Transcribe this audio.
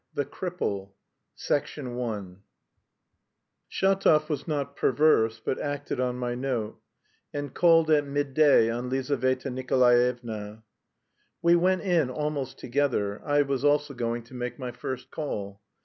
THE CRIPPLE I SHATOV WAS NOT PERVERSE but acted on my note, and called at midday on Lizaveta Nikolaevna. We went in almost together; I was also going to make my first call.